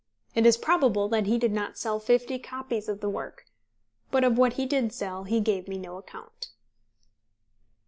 It is probable that he did not sell fifty copies of the work; but of what he did sell he gave me no account.